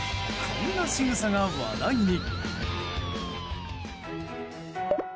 こんなしぐさが話題に。